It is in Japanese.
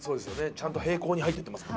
ちゃんと平行に入ってってますもんね。